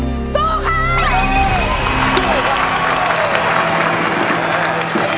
สู้ค่ะ